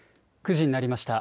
９時になりました。